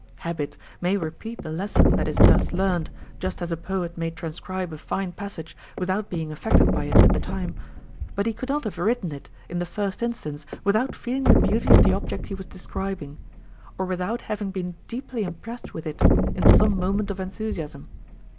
Habit may repeat the lesson that is thus learnt, just as a poet may transcribe a fine passage without being affected by it at the time ; but he could not have written it in the first instance without feeling the beauty of *the object he was describing, or without having been deeply impressed with it in some moment of enthusiasm.